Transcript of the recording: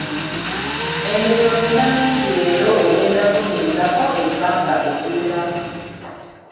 Emirimu nnina mingi leero ogenda kunnindako ebbanga eriweramu.